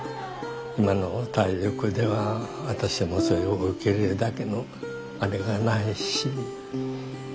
今の体力では私もそれを受け入れるだけのあれがないし。